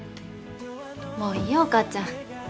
もういいよお母ちゃん。